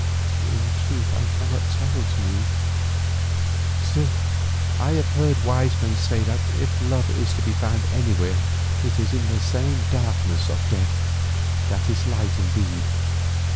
"In truth I cannot tell, Teule, still I have heard wise men say that if love is to be found anywhere, it is in this same darkness of death, that is light indeed.